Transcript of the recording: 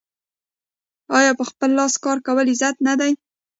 آیا په خپل لاس کار کول عزت نه دی؟